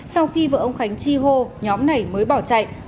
sau khi vợ ông khánh chi hô nhóm này mới bỏ chạy